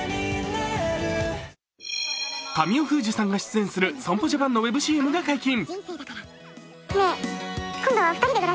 神尾楓珠さんが出演する損保ジャパンのウェブＣＭが解禁。